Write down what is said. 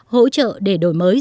hỗ trợ để đổi mới